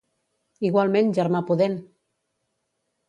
Igualment, germà pudent!